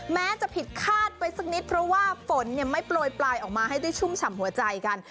แม้จะผิดคาดไปสักนิดเพราะว่าฝนไม่โปรยปลายออกมาให้ได้ชุ่มฉ่ำหัวใจกัน